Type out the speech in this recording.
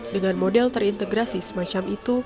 dengan model terintegrasi semacam itu